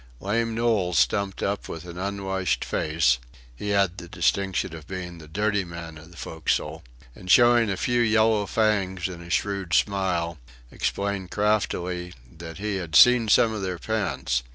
Lame Knowles stumped up with an unwashed face (he had the distinction of being the dirty man of the forecastle), and showing a few yellow fangs in a shrewd smile, explained craftily that he "had seen some of their pants."